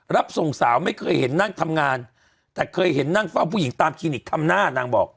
รับส่งสาวไม่เคยเห็นนั่งทำงานแต่เคยเห็นนั่งเฝ้าผู้หญิงตามคลินิกทำหน้านางบอก